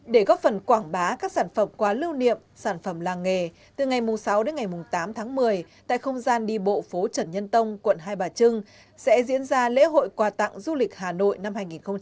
để góp phần quảng bá các sản phẩm quá lưu niệm sản phẩm làng nghề từ ngày sáu đến ngày tám tháng một mươi tại không gian đi bộ phố trần nhân tông quận hai bà trưng sẽ diễn ra lễ hội quà tặng du lịch hà nội năm hai nghìn hai mươi